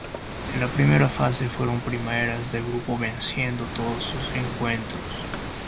En la primera fase fueron primeras de grupo venciendo todos sus encuentros.